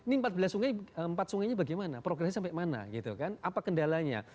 ini empat sungainya bagaimana progresnya sampai mana apa kendalanya